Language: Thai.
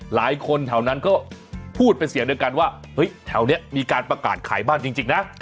หลายคนแถวนั้นก็พูดเป็นเสียงเดียวกันว่าเฮ้ยแถวนี้มีการประกาศขายบ้านจริงนะ